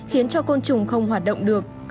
khiến cho côn trùng không hoạt động được